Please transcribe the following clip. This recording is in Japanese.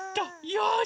よし。